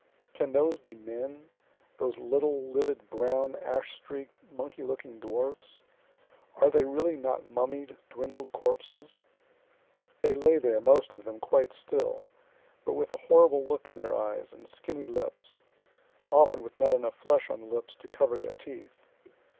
Can those be men those little livid brown, ash streak'd, monkey looking dwarfs? are they really not mummied, dwindled corpses? They lay there, most of them, quite still, but with a horrible look in their eyes and skinny lips (often with not enough flesh on the lips to cover their teeth.)